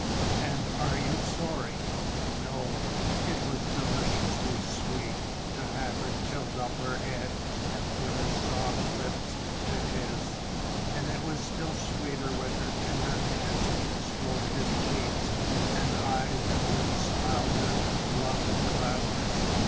"And are you sorry?" "No." It was deliciously sweet to have her tilt up her head and put her soft lips to his, and it was still sweeter when her tender hands stroked his cheeks, and eyes and lips smiled their love and gladness.